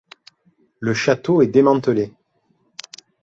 Le château est démantelé.